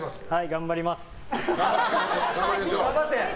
頑張ります。